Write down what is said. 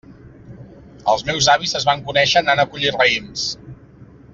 Els meus avis es van conèixer anant a collir raïms.